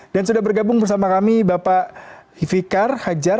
dan sudah bergabung bersama kami bapak fikar hajar